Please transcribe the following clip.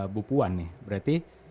bu puan nih berarti